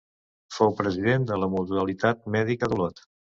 Fou president de la mutualitat Mèdica d'Olot.